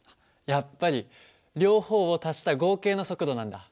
やっぱり両方を足した合計の速度なんだ。